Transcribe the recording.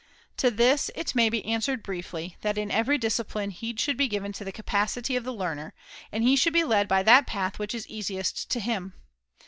To this it may be answered briefly that [i30] in every discipline heed should be given to the capacity of the XVII. THE FOURTH TREATISE 317 learner, and he should be led by that path which The is easiest to him.